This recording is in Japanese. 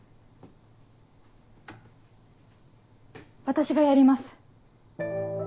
私がやります。